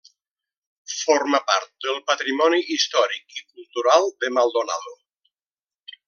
Forma part del patrimoni històric i cultural de Maldonado.